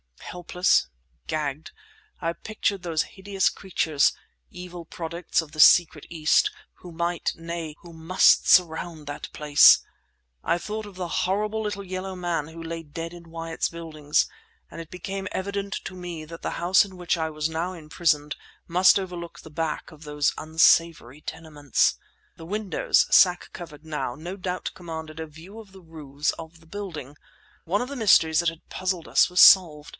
Helpless, gagged, I pictured those hideous creatures, evil products of the secret East, who might, nay, who must surround that place! I thought of the horrible little yellow man who lay dead in Wyatt's Buildings; and it became evident to me that the house in which I was now imprisoned must overlook the back of those unsavoury tenements. The windows, sack covered now, no doubt commanded a view of the roofs of the buildings. One of the mysteries that had puzzled us was solved.